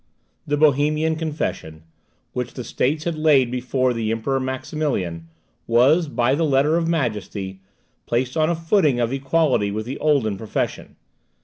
The Bohemian Confession, which the States had laid before the Emperor Maximilian, was, by the Letter of Majesty, placed on a footing of equality with the olden profession.